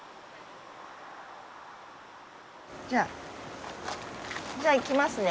じゃあ。じゃあ行きますね。